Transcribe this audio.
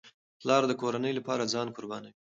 پلار د کورنۍ لپاره ځان قربانوي.